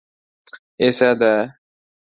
— Esa-da.